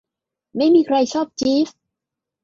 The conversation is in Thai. ไม่มีใครชอบจีฟส์